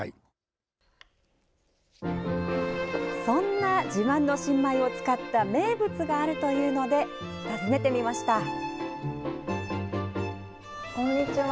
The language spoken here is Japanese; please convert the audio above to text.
そんな自慢の新米を使った名物があるというので訪ねてみました。